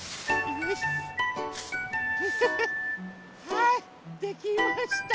はいできました！